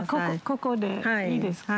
ここでいいですか？